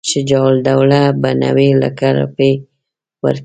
شجاع الدوله به نیوي لکه روپۍ ورکوي.